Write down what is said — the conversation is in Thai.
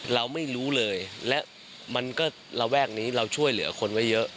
เราไม่รู้เลยและมันก็ระแวกนี้เราช่วยเหลือคนไว้เยอะ